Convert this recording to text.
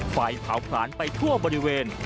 ไฟเผาผลาญไปทั่วบริเวณ